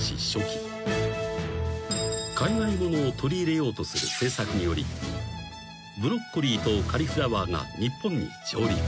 ［海外物を取り入れようとする政策によりブロッコリーとカリフラワーが日本に上陸］